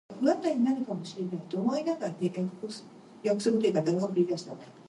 The condition of maximum power transfer does not result in maximum efficiency.